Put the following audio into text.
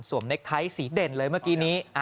เน็กไทท์สีเด่นเลยเมื่อกี้นี้